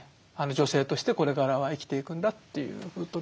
女性としてこれからは生きていくんだということで。